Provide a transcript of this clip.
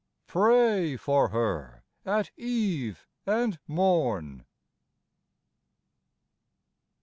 Pray for her at eve and morn!